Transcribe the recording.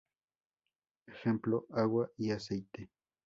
Ej: agua y aceite.